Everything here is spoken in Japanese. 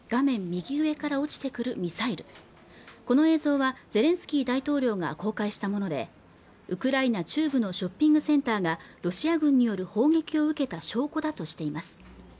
右上から落ちてくるミサイルこの映像はゼレンスキー大統領が公開したものでウクライナ中部のショッピングセンターがロシア軍による砲撃を受けた証拠だとしています